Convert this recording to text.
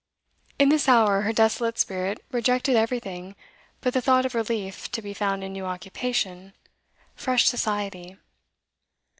In this hour her desolate spirit rejected everything but the thought of relief to be found in new occupation, fresh society.